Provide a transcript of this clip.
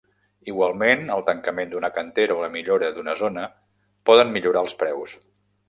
Igualment, el tancament d'una cantera o la millora d'una zona poden millorar els preus.